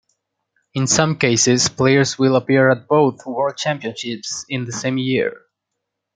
In some cases, players will appear at both World Championships in the same year.